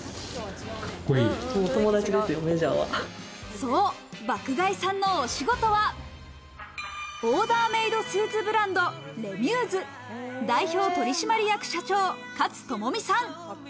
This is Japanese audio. そう、爆買いさんのお仕事はオーダーメイドスーツブランド、Ｒｅ．ｍｕｓｅ代表取締役社長・勝友美さん。